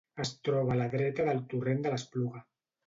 Es troba a la dreta del torrent de l'Espluga.